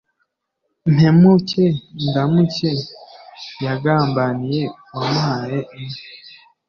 Mpemuke ndamuke yagambaniye uwamuhaye inka.